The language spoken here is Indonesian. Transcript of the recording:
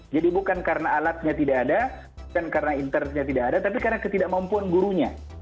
jadi bukan karena alatnya tidak ada bukan karena internetnya tidak ada tapi karena ketidakmampuan gurunya